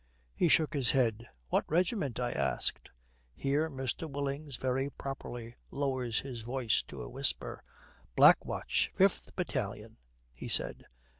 He shook his head. "What regiment?" I asked.' Here Mr. Willings very properly lowers his voice to a whisper. '"Black Watch, 5th Battalion," he said.